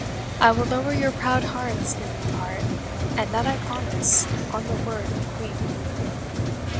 I will lower your proud hearts ere we part, and that I promise, on the word of a Queen!"